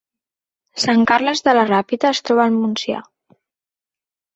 Sant Carles de la Ràpita es troba al Montsià